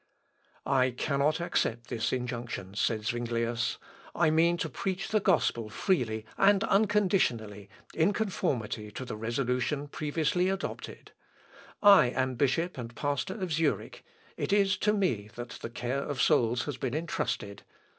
"I cannot accept this injunction," said Zuinglius; "I mean to preach the gospel freely and unconditionally in conformity to the resolution previously adopted. I am bishop and pastor of Zurich; it is to me that the care of souls has been entrusted.